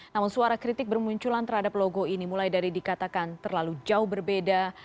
namun suara kritik bermunculan terhadap logo ini mulai dari dikatakan terlalu jauh berbeda